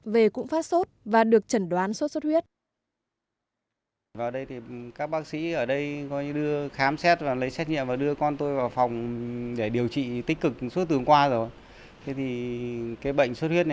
về cũng phát xuất và được chẩn đoán xuất xuất huyết